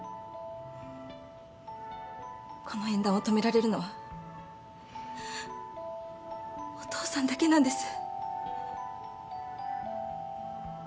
この縁談を止められるのはお父さんだけなんです。